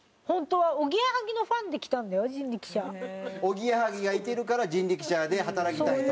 おぎやはぎがいてるから人力舎で働きたいと。